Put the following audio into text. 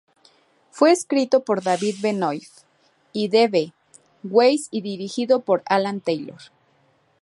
Fue escrito por David Benioff y D. B. Weiss y dirigido por Alan Taylor.